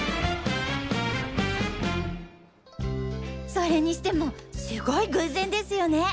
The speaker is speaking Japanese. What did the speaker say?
それにしてもすごい偶然ですよね！